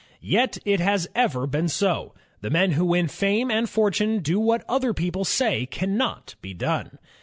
Yet it has ever been so. The men who win fame and fortime do what other people say cannot be done.